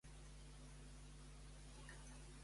Es tractava d'una llegenda xenòfoba?